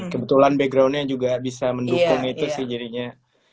kebetulan backgroundnya juga bisa mendukung itu sih jadinya